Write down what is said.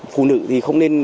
phụ nữ thì không nên